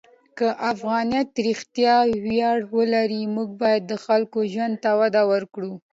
که افغانیت رښتیا ویاړ ولري، موږ باید د خلکو ژوند ته وده ورکړو.